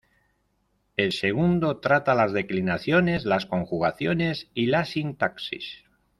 El segundo trata las declinaciones, las conjugaciones y la sintaxis.